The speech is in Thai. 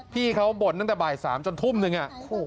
พี่เขาบ่นตั้งแต่บ่าย๓จนทุ่มหนึ่ง